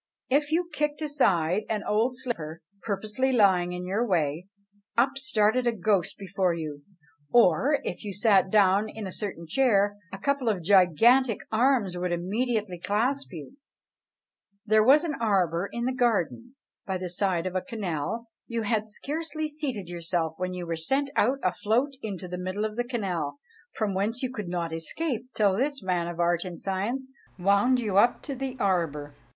If you kicked aside an old slipper, purposely lying in your way, up started a ghost before you; or if you sat down in a certain chair, a couple of gigantic arms would immediately clasp you in. There was an arbour in the garden, by the side of a canal; you had scarcely seated yourself when you were sent out afloat to the middle of the canal from whence you could not escape till this man of art and science wound you up to the arbour.